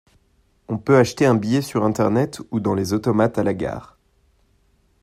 On peut acheter un billet sur Internet ou dans les automates à la gare.